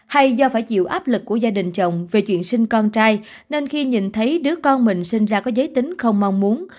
hay do phải chịu áp lực của gia đình chồng về chuyện sinh con trai nên khi nhìn thấy đứa con mình sinh ra có giới tính không mong muốn